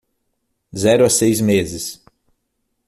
Zero a seis meses